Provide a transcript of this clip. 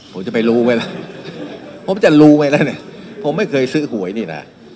ผมจะไปรู้ไหมล่ะผมจะรู้ไว้แล้วนะผมไม่เคยซื้อหวยนี่นะ